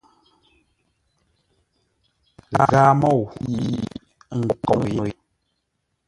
Ghaa môu yi n nkǒŋ no yé.